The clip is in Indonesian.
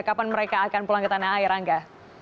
kapan mereka akan pulang ke tanah air angga